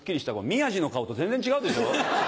宮治の顔と全然違うでしょう？